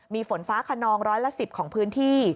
มีฝนฟ้าขนองร้อยละ๑๐ของพื้นที่